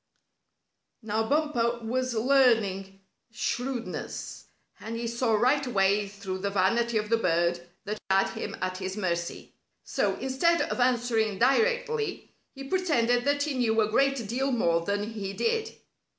Now Bumper was learning shrewdness, and he saw right away through the vanity of the bird that had him at his mercy. So, instead of answering directly, he pretended that he knew a great deal more than he did.